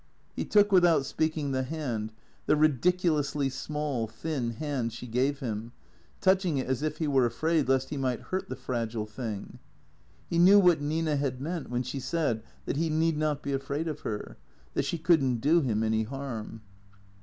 He took without speaking the hand, the ridiculously small, thin hand she gave him, touching it as if he were afraid lest he might hurt the fragile thing. He knew what Nina had meant when she said that he need not be afraid of her, that she could n't do him any harm.